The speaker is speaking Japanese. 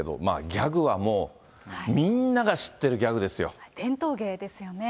ギャグはもう、みんなが知ってる伝統芸ですよね。